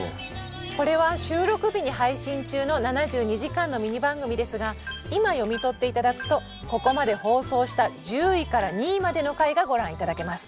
これは収録日に配信中の「７２時間」のミニ番組ですが今読み取って頂くとここまで放送した１０位から２位までの回がご覧頂けます。